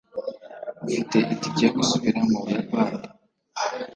ufite itike yo gusubira mu buyapani